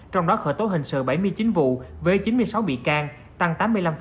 trong đó khởi tố hình sự bảy mươi chín vụ với chín mươi sáu bị can tăng tám mươi năm